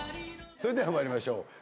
それでは参りましょう。